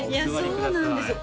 いやそうなんですよ